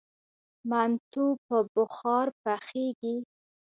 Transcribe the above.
منتو په بخار پخیږي؟